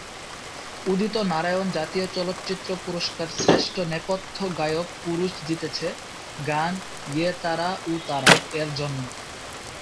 উদিত নারায়ন জাতীয় চলচ্চিত্র পুরস্কার শ্রেষ্ঠ নেপথ্য গায়ক পুরুষ জিতেছে, গান "ইয়ে তারা ও তারা"এর জন্য।